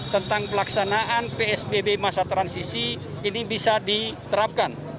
tentang pelaksanaan psbb masa transisi ini bisa diterapkan